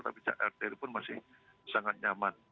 tapi rt itu pun masih sangat nyaman